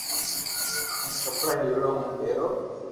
ھون ڪپڙا ھيڙيو ھون پيرو